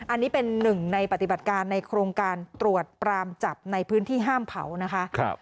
อันนี้เป็นหนึ่งในปฏิบัติการในโครงการตรวจปรามจับในพื้นที่ห้ามเผานะคะ